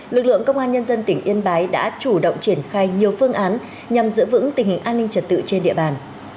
lực lượng công an nhân dân tỉnh yên bái đã chủ động triển khai nhiều phương án nhằm giữ vững tình hình an ninh trật tự trên địa bàn